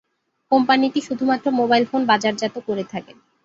কোম্পানিটি শুধুমাত্র mobile phone বাজারজাত করে থাকে।